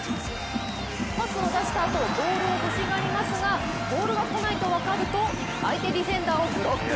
パスを出したあと、ボールを欲しがりますがボールがこないと分かると相手ディフェンダーをブロック。